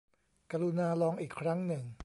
กรุณาลองอีกครั้งหนึ่ง